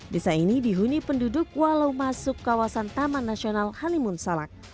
desa ini dihuni penduduk walau masuk kawasan taman nasional halimun salak